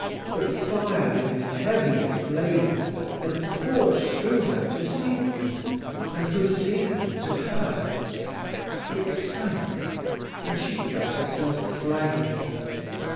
The fire, in heavy flames, had poured through her to Siegmund, from Siegmund to her. It sank, and she felt herself flagging.